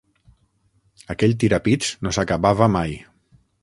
Aquell tirapits no s'acabava mai.